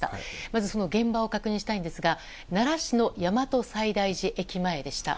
まず、現場を確認したいんですが奈良市の大和西大寺駅前でした。